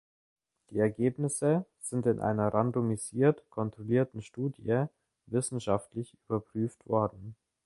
Die Ergebnisse sind in einer randomisiert kontrollierten Studie wissenschaftlich überprüft worden.